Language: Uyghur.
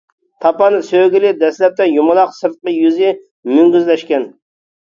تاپان سۆگىلى: دەسلەپتە يۇمىلاق سىرتقى يۈزى مۈڭگۈزلەشكەن.